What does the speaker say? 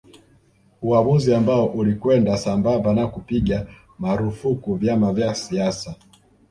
Uamuzi ambao ulikwenda sambamba na kupiga marufuku vyama vya siasa